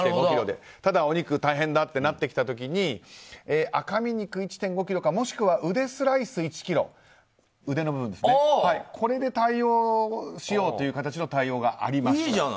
ただ、お肉が大変だとなってきた時に赤身肉１．５ｋｇかもしくはウデスライス１ｋｇこれで対応しようという形の対応がありました。